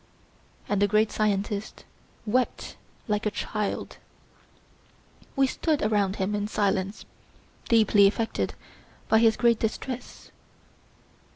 And the great scientist wept like a child. We stood around him in silence, deeply affected by his great distress.